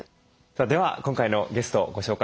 さあでは今回のゲストをご紹介しましょう。